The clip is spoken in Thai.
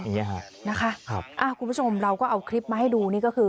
อย่างเงี้ฮะนะคะครับอ่าคุณผู้ชมเราก็เอาคลิปมาให้ดูนี่ก็คือ